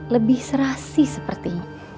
lebih serasi seperti